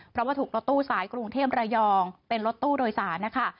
เพราะว่าถูกรถตู้สายกรุงเทพระยองเป็นรถตู้โดยสารนะคะ